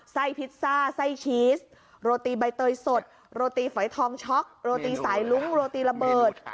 พิซซ่าไส้ชีสโรตีใบเตยสดโรตีฝอยทองช็อกโรตีสายลุ้งโรตีระเบิด